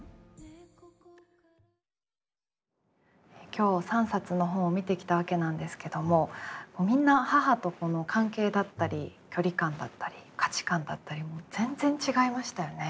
今日３冊の本を見てきたわけなんですけどもみんな母と子の関係だったり距離感だったり価値観だったりも全然違いましたよね。